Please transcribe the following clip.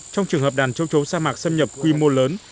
trong trường hợp đàn châu chấu sa mạc xâm nhập quy mô lớn